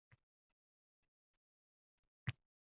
asalari qilamiz, quyonchilik qilamiz, qo‘ychilik qilamiz.